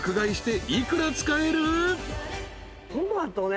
トマトね。